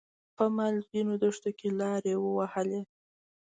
په مالګینو دښتونو کې لارې ووهلې.